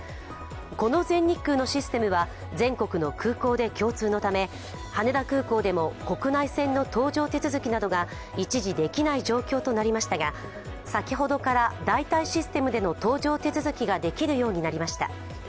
この全日空のシステムは全国の空港で共通のため羽田空港でも国内線の搭乗手続きなどが一時できない状況となりましたが、先ほどから代替システムでの搭乗手続きができるようになりました。